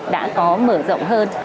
đã có mở rộng hơn